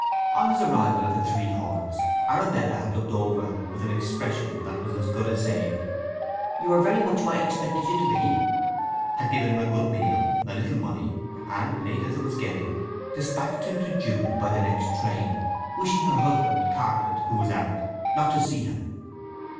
On his arrival at the Three Horns, Arabella had looked him over with an expression that was as good as saying, "You are very much what I expected you to be," had given him a good meal, a little money, and, late as it was getting, dispatched him to Jude by the next train, wishing her husband Cartlett, who was out, not to see him.